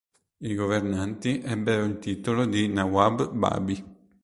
I governanti ebbero il titolo di "Nawab Babi".